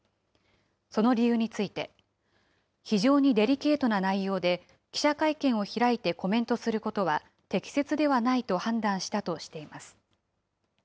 その理由について、非常にデリケートな内容で、記者会見を開いてコメントすることは適切ではないと判断したとしています。